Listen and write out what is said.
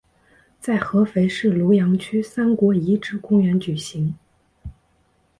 在合肥市庐阳区三国遗址公园举行。